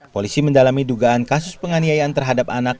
polisi mendalami dugaan kasus penganiayaan terhadap anak